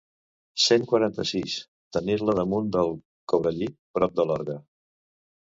Cent quaranta-sis tenir-la damunt del cobrellit, prop de l'orgue.